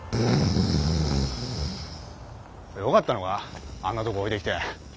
よかったのかあんなとこ置いてきて。